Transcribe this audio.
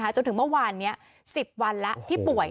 จนถึงเมื่อวานนี้๑๐วันแล้วที่ป่วย